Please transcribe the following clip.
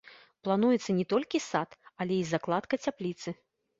Плануецца не толькі сад, але і закладка цяпліцы.